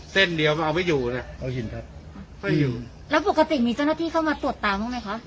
เส้นเดียวก็เอาไม่อยู่น่ะเอาหินครับไม่อยู่แล้วปกติมีเจ้าหน้าที่เข้ามาตรวจตามบ้างไหมคะ